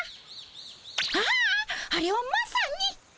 あああれはまさに。